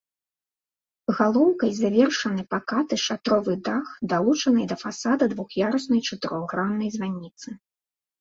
Галоўкай завершаны пакаты шатровы дах далучанай да фасада двух'яруснай чатырохграннай званіцы.